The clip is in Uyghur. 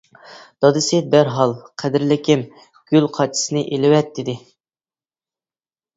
دادىسى دەرھال:-قەدىرلىكىم، گۈل قاچىسىنى ئېلىۋەت، -دېدى.